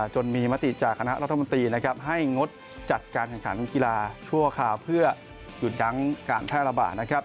จนมีมติจากคณะรัฐมนตรีให้งดจัดการแข่งขันกีฬาชั่วคราวเพื่อหยุดยั้งการแพร่ระบาดนะครับ